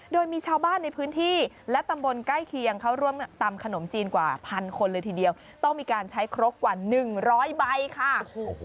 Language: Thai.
โดยมีชาวบ้านในพื้นที่และตำบลใกล้เคียงเขาร่วมตำขนมจีนกว่าพันคนเลยทีเดียวต้องมีการใช้ครกกว่า๑๐๐ใบค่ะ